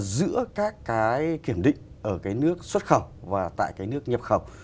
giữa các kiểm định ở nước xuất khẩu và tại nước nhập khẩu